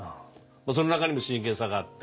その中にも真剣さがあって。